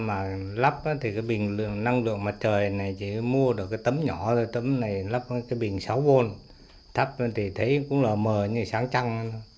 mà lắp thì cái bình năng lượng mặt trời này chỉ mua được cái tấm nhỏ thôi tấm này lắp cái bình sáu gôn thấp thì thấy cũng là mờ như sáng trăng